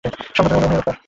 সব যেন মনোরম হইয়া গেল।